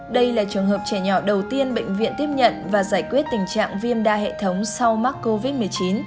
đây là trường hợp trẻ nhỏ đầu tiên bệnh viện tiếp nhận và giải quyết tình trạng viêm đa hệ thống sau mắc covid một mươi chín